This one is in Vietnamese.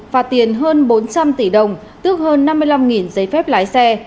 phạt tiền hơn bốn trăm linh tỷ đồng tước hơn năm mươi năm giấy phép lái xe